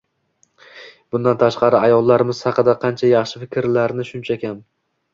Bundan tashqari ayollarimiz haqida qancha yaxshi fikrlarni shuncha kam.